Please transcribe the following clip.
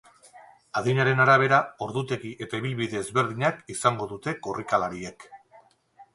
Adinaren arabera, ordutegi eta ibilbide ezberdina izango dute korrikalariek.